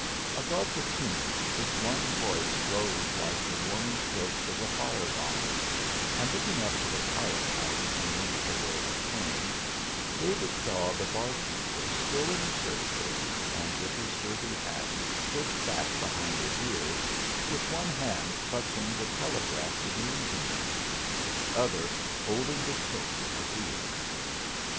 Above the tumult this one voice rose like the warning strokes of a fire gong, and looking up to the pilot house from whence the voice came, David saw the barkeeper still in his shirt sleeves and with his derby hat pushed back behind his ears, with one hand clutching the telegraph to the engine room, with the other holding the spoke of the wheel.